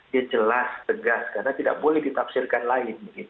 dia jelas tegas karena tidak boleh ditafsirkan lain